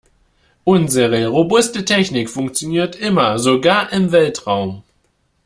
Unsere robuste Technik funktioniert immer, sogar im Weltraum.